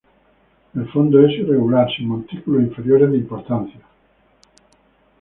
El fondo es irregular, sin montículos interiores de importancia.